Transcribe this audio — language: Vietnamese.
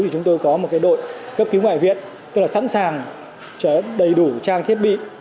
thì chúng tôi có một đội cấp cứu ngoại viện tức là sẵn sàng đầy đủ trang thiết bị